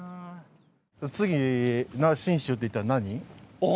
次な信州といったら何？